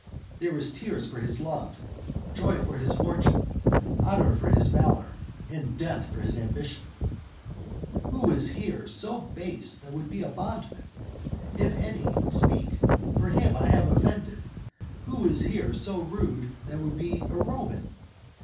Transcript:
"There is tears for his love; joy for his fortune; honor for his valor, and death for his ambition! "Who is here so base that would be a bondman? If any, speak; for him have I offended. Who is here so rude that would be a Roman?